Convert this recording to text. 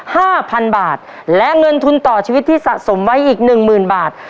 ห้าพันบาทและเงินทุนต่อชีวิตที่สะสมไว้อีกหนึ่งหมื่นบาท